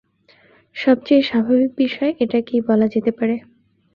সবচেয়ে স্বাভাবিক বিষয় এটাকেই বলা যেতে পারে।